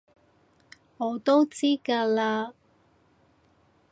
我都知㗎喇